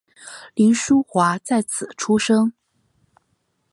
凌叔华在此出生。